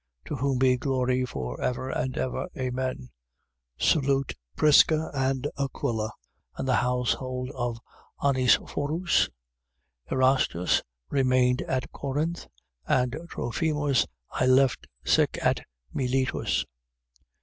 To whom be glory for ever and ever. Amen. 4:19. Salute Prisca, and Aquila and the household of Onesiphorus. 4:20. Erastus remained at Corinth. And Trophimus I left sick at Miletus.